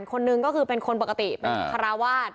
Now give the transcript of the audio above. คนหนึ่งก็คือเป็นคนปกติเป็นคาราวาส